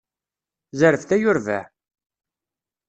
Zerbet ay urbaε!